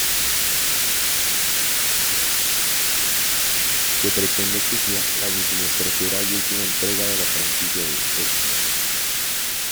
Se pretende que sea la decimotercera y última entrega de la franquicia de "X-Men".